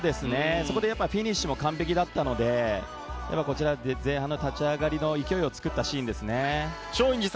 そこでフィニッシュも完璧だったので、前半の立ち上がりの勢いをつくったシーンですね。